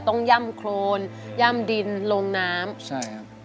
ย่ำโครนย่ำดินลงน้ำใช่ครับ